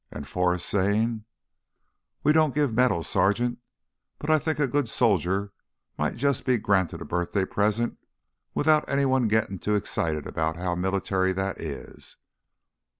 And Forrest saying: "We don't give medals, Sergeant. But I think a good soldier might just be granted a birthday present without any one gittin' too excited about how military that is."